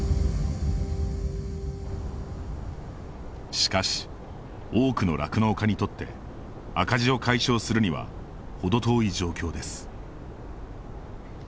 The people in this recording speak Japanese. しかし、多くの酪農家にとって赤字を解消するには程遠い状況です。